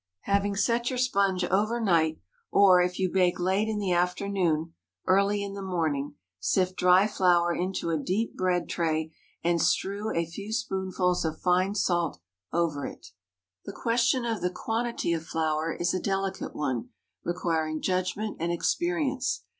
_)✠ Having set your sponge over night, or, if you bake late in the afternoon, early in the morning, sift dry flour into a deep bread tray, and strew a few spoonfuls of fine salt over it. The question of the quantity of flour is a delicate one, requiring judgment and experience.